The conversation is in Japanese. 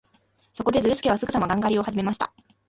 そこで、ズルスケはすぐさまガン狩りをはじめました。